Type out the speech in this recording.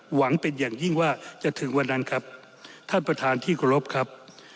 หวังเป็นอย่างยิ่งว่าจะถึงวันนั้นครับท่านประธานที่เคารพครับ